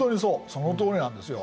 そのとおりなんですよ。